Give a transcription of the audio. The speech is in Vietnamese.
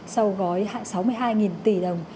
sau gói sáu mươi hai tỷ đồng